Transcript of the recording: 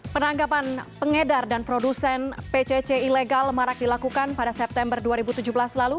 penangkapan pengedar dan produsen pcc ilegal marak dilakukan pada september dua ribu tujuh belas lalu